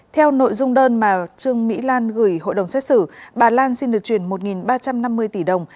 theo nội dung đơn mà trương mỹ lan gửi hội đồng xét xử bà lan xin được chuyển một ba trăm năm mươi tỷ đồng